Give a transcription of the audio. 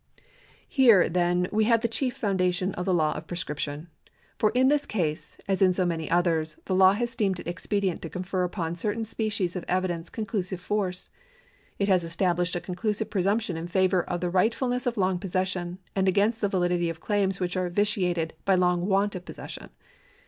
Here, then, we have the chief foundation of the law of prescription. For in this ease, as in so many others, the law has deemed it expedient to confer upon a certain species of evidence conclusive force. It has estabhshed a conclusive presumption in favour of the rightfulness of long possession, and against the validity of claims which are vitiated by long want of possession.